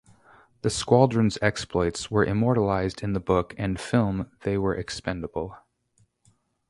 The squadron's exploits were immortalized in the book and film "They Were Expendable".